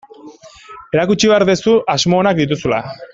Erakutsi behar duzu asmo onak dituzula.